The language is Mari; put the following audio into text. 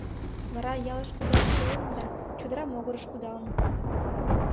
Вара ялыш кудал толын да чодыра могырыш кудалын.